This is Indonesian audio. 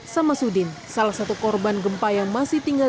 sama sudin salah satu korban gempa yang masih tinggal